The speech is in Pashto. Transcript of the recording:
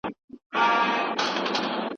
سوداګريزې اړيکې د ملتونو ترمنځ دوستي زياتوي.